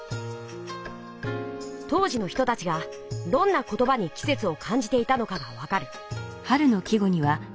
当時の人たちがどんな言ばに季せつをかんじていたのかがわかる。